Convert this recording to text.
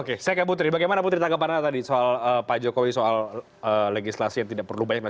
oke saya ke putri bagaimana putri tanggapan anda tadi soal pak jokowi soal legislasi yang tidak perlu banyak